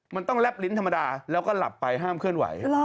มันต้องแลบลิ้นธรรมดาแล้วก็หลับไปห้ามเคลื่อนไหว